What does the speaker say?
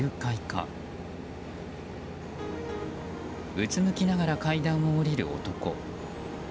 うつむきながら階段を下りる男。